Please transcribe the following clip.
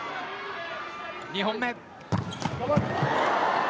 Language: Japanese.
２本目。